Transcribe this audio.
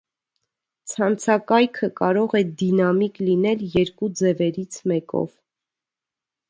Ցանցակայքը կարող է դինամիկ լինել երկու ձևերից մեկով։